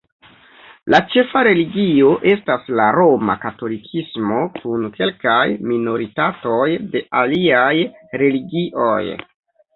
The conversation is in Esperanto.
La ĉefa religio estas la Roma Katolikismo kun kelkaj minoritatoj de aliaj religioj.